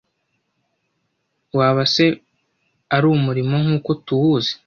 Waba se ari umuriro nkuko tuwuzi?